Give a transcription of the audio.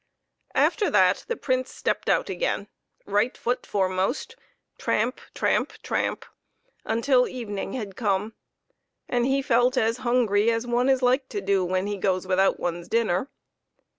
After that the Prince stepped out again, right foot foremost, tramp! tramp ! tramp ! until evening had come, and he felt as hungry as one is like to do when one goes with out one's dinner.